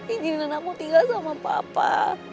injilin aku tinggal sama papa